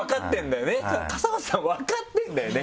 笠松さん分かってるんだよね。